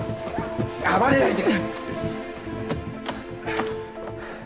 暴れないで。